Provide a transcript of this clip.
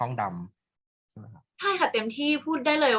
กากตัวทำอะไรบ้างอยู่ตรงนี้คนเดียว